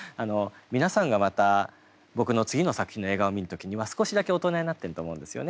皆さんがまた僕の次の作品の映画を見る時には少しだけ大人になってると思うんですよね。